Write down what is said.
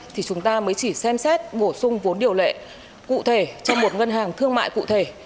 thì chúng ta mới chỉ xem xét bổ sung vốn điều lệ cụ thể cho một ngân hàng thương mại cụ thể